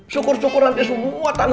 syukur syukur nanti semua tanah